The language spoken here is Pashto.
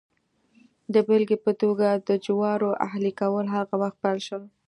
د بېلګې په توګه د جوارو اهلي کول هغه وخت پیل شول